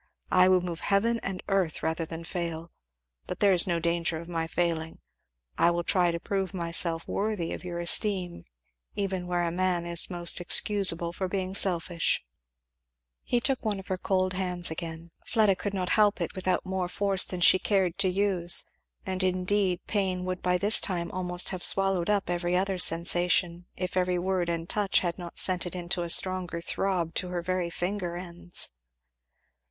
I will move heaven and earth rather than fail but there is no danger of my failing. I will try to prove myself worthy of your esteem even where a man is most excusable for being selfish." [Illustration: Barby's energies and fainting remedies were again put in use.] He took one of her cold hands again, Fleda could not help it without more force than she cared to use, and indeed pain would by this time almost have swallowed up other sensation if every word and touch had not sent it in a stronger throb to her very finger ends.